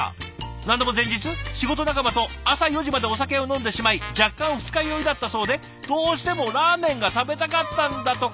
何でも前日仕事仲間と朝４時までお酒を飲んでしまい若干二日酔いだったそうでどうしてもラーメンが食べたかったんだとか。